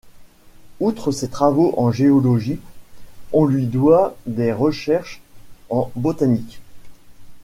Outre ses travaux en géologie, on lui doit des recherches en botanique.